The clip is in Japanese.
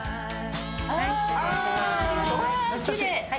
はい失礼します。